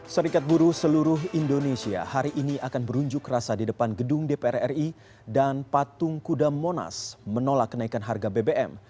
serikat buruh seluruh indonesia hari ini akan berunjuk rasa di depan gedung dpr ri dan patung kuda monas menolak kenaikan harga bbm